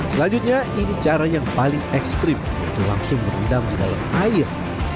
selanjutnya ini cara yang paling ekstrim itu langsung beridam dalam air